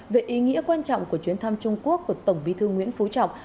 về ý nghĩa quan trọng của chuyến thăm trung quốc của tổng bí thư nguyễn phú trọng